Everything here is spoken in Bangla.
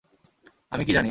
আমি কী জানি!